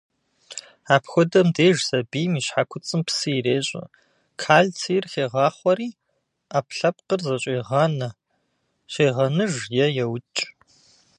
Апхуэдэхэм деж сабийм и щхьэкуцӏым псы ирещӏэ, кальцийр хегъахъуэри, ӏэпкълъэпкъыр зэщӏегъанэ, щегъэныж е еукӏ.